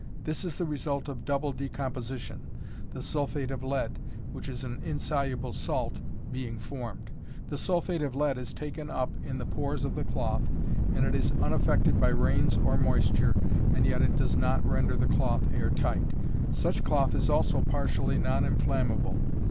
This is the result of double decomposition, the sulphate of lead, which is an insoluble salt, being formed. The sulphate of lead is taken up in the pores of the cloth, and it is unaffected by rains or moisture, and yet it does not render the cloth air tight. Such cloth is also partially non inflammable.